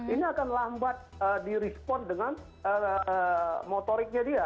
ini akan lambat direspon dengan motoriknya dia